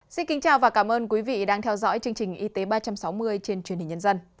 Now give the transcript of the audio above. xin kính chào và cảm ơn quý vị đang theo dõi chương trình y tế ba trăm sáu mươi trên truyền hình nhân dân